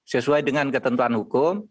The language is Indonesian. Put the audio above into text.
sesuai dengan ketentuan hukum